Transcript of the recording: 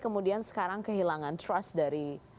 kemudian sekarang kehilangan trust dari